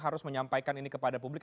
harus menyampaikan ini kepada publik